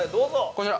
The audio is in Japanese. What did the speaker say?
◆こちら。